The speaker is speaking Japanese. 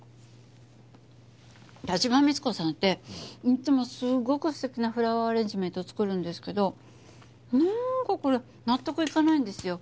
田島三津子さんっていつもすごく素敵なフラワ−アレンジメント作るんですけどなんかこれ納得いかないんですよ。